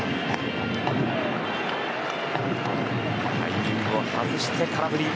タイミングを外して空振り。